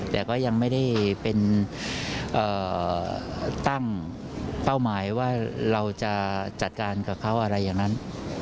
แต่ก็ยังไม่ได้เป็นตั้งเป้าหมายว่าเราจะจัดการกับเขาอะไรอย่างนั้น